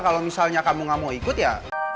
kalau misalnya kamu gak mau ikut ya